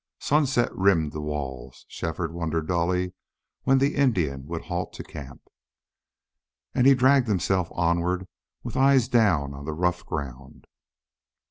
Sunset rimmed the walls. Shefford wondered dully when the Indian would halt to camp. And he dragged himself onward with eyes down on the rough ground.